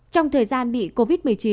trong thời gian bị covid một mươi chín